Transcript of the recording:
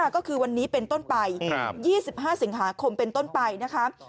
ก็คือวันนี้เป็นต้นไป๒๕สิงหาคมเป็นต้นไปนะคะ